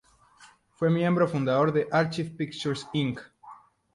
Fue miembro fundador del "Archive Pictures Inc.